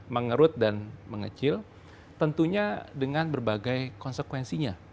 mengerut dan mengecil tentunya dengan berbagai konsekuensinya